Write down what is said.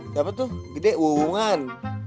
siapa tuh gede wuungan